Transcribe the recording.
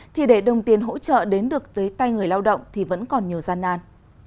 thì để đồng tiền hỗ trợ đến được tới tay người lao động thì vẫn còn nhiều gian nan